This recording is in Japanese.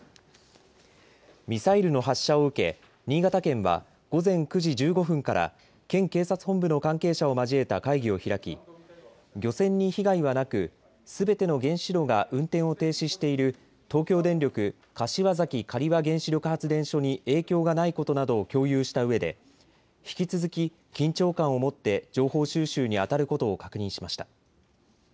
ミサイルの発射を受け新潟県は午前９時１５分から県警察本部の関係者を交えた会議を開き漁船に被害はなく、すべての原子炉が運転を停止している東京電力柏崎刈羽原子力発電所に影響がないことなどを共有したうえで引き続き緊張感を持って情報収集にあたることを確認しました。